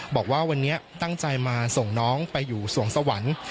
บอกว่าวันนี้ตั้งใจมาส่งน้องไปอยู่สวงสวรรค์